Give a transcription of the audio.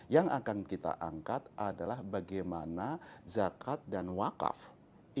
yang akan kita angkat adalah bagaimana zakat dan wakaf ini bisa kita mobilisasi